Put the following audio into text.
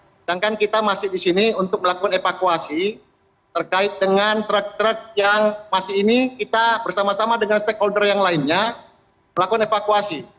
sedangkan kita masih di sini untuk melakukan evakuasi terkait dengan truk truk yang masih ini kita bersama sama dengan stakeholder yang lainnya melakukan evakuasi